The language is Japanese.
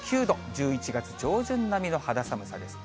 １１月上旬並みの肌寒さです。